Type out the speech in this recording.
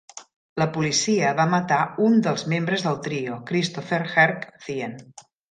La policia va matar un dels membres del trio, Christopher "Herc" Thien.